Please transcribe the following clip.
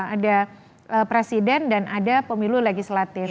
ada presiden dan ada pemilu legislatif